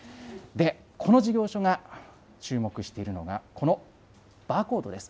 この事業所が注目しているのがこのバーコードです。